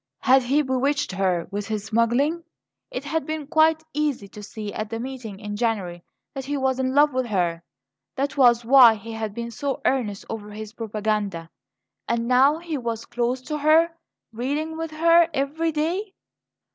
Had he bewitched her with his smuggling? It had been quite easy to see at the meeting in January that he was in love with her; that was why he had been so earnest over his propaganda. And now he was close to her reading with her every day.